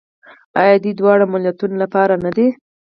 آیا د دواړو ملتونو لپاره نه ده؟